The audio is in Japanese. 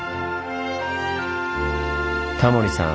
タモリさん